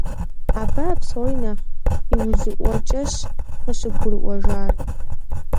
Абы а псори нэхъ иужьыӀуэкӀэщ къыщыгурыӀуэжар.